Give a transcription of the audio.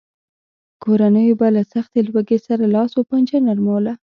کورنیو به له سختې لوږې سره لاس و پنجه نرموله.